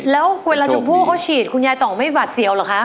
แล้วเวลาชมพู่เขาฉีดคุณยายต่องไม่หวัดเสียวเหรอคะ